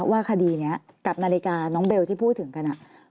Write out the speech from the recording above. คดีนี้กับนาฬิกาน้องเบลที่พูดถึงกัน